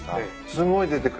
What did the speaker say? すごい出てくる。